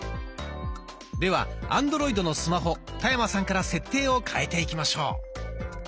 ではアンドロイドのスマホ田山さんから設定を変えていきましょう。